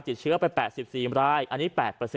ติดเชื้อไป๘๔รายอันนี้๘